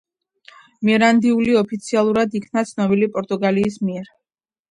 მირანდიული ოფიციალურად იქნა ცნობილი პორტუგალიის მიერ.